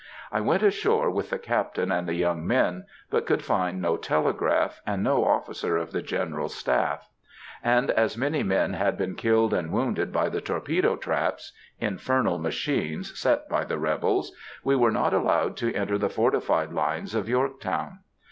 I went ashore with the Captain and the young men, but could find no telegraph, and no officer of the general staff; and as many men had been killed and wounded by the torpedo traps,—infernal machines set by the rebels,—we were not allowed to enter the fortified lines of Yorktown.